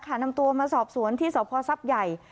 นำตัวมาสอบสวนที่สพท์ใหญ่